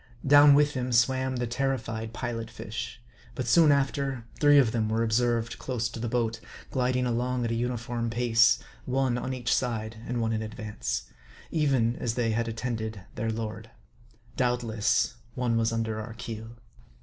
Down with him swam the terrified Pilot fish ; but soon after, three of them were observed close to the boat, gliding along at a uniform pace ; one an each side, and one in advance ; even as they had attended their lord. Doubtless, one was under our keel.